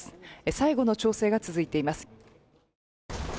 最後の調整が続いています。